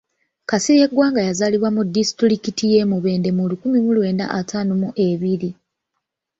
Kasirye Gwanga yazaalibwa mu disitulikiti y'e Mubende mu lukumi lwenda ataano mu ebiri.